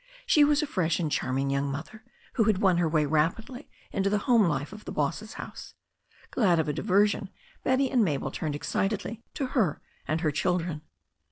She was a fresh and charming young mother, who had won her way rapidly into the home life of the boss's house. Glad of a diversion, Betty and Mabel turned excitedly to her and her children.